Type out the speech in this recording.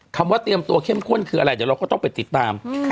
คำว่าเตรียมตัวเข้มข้นคืออะไรเดี๋ยวเราก็ต้องไปติดตาม